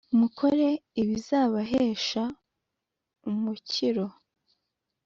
mukore ibizabahesha umukiro,